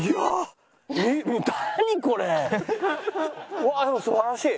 うわあでも素晴らしい。